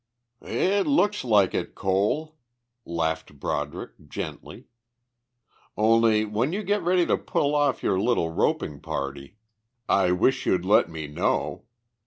"It looks like it, Cole," laughed Broderick gently. "Only when you get ready to pull off your little roping party I wish you'd let me know.